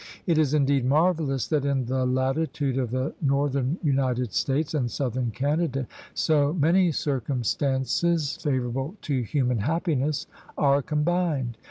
It is indeed marvelous that in the latitude of the northern United States and southern Canada so many circumstances favor able to human happiness are combined.